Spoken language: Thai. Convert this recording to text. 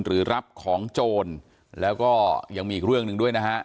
หรือรับของโจรแล้วก็ยังมีอีกเรื่องหนึ่งด้วยนะฮะ